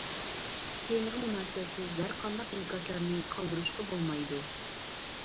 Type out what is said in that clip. تېمىغا مۇناسىۋەتسىز ھەر قانداق ئىنكاسلارنى قالدۇرۇشقا بولمايدۇ.